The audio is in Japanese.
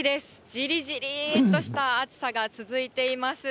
じりじりっとした暑さが続いています。